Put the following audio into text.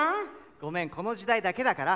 ごめんこの時代だけだから。